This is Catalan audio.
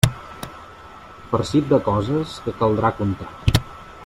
Farcit de coses que caldrà contar.